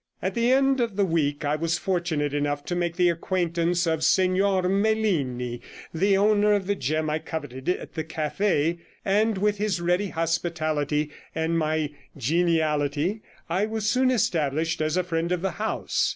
At the end of the week I was fortunate enough to make the acquaintance of Signor Melini, the owner of the gem I coveted, at the cafe, and with his ready hospitality, and my geniality, I was soon established as a friend of the house.